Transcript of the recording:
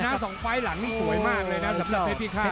แต่ชนะ๒ไฟล์หลังนี่สวยมากเลยนะแพทย์พิฆาต